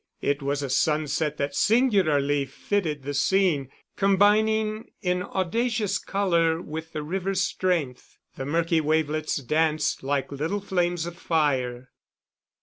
It was a sunset that singularly fitted the scene, combining in audacious colour with the river's strength. The murky wavelets danced like little flames of fire.